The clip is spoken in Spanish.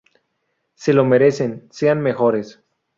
Se lo merecen, Sean mejores.